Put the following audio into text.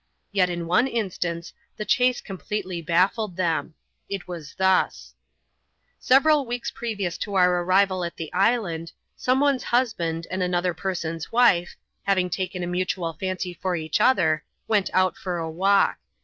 Yet in one instance the chase completely baffled them. It was thus :— Several weeks previous to our arrival at the island, some one's husband and another person's wife, having taken a mutual £uiey for each other, went out for a walk.